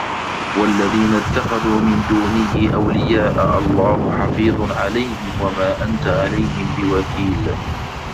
وَالَّذينَ اتَّخَذوا مِن دونِهِ أَولِياءَ اللَّهُ حَفيظٌ عَلَيهِم وَما أَنتَ عَلَيهِم بِوَكيلٍ